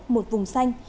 một vùng xanh